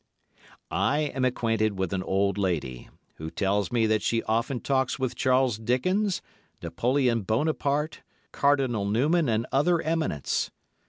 I am acquainted with an old lady, who tells me that she often talks with Charles Dickens, Napoleon Bonaparte, Cardinal Newman and other eminents.